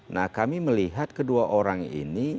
nah kami melihat kedua orang ini